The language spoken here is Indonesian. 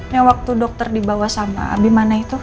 ya waktu dokter dibawa sama abim mana itu